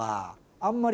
あんまり。